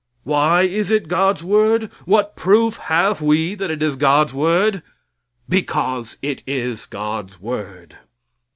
Why is it God's word? What proof have we that it is God's word? Because it is God's word.